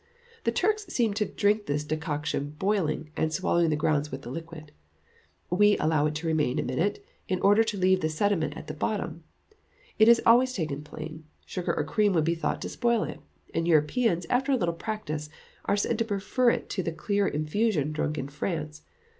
The Turks seem to drink this decoction boiling, and swallow the grounds with the liquid. We allow it to remain a minute, in order to leave the sediment at the bottom. It is always taken plain; sugar or cream would be thought to spoil it; and Europeans, after a little practice, are said to prefer it to the clear infusion drunk in France.